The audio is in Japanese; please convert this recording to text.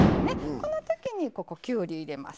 このときにきゅうり入れます。